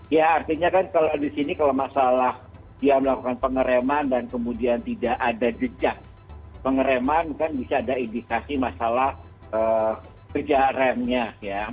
ya artinya kan kalau di sini kalau masalah dia melakukan pengereman dan kemudian tidak ada jejak pengereman kan bisa ada indikasi masalah kerja remnya ya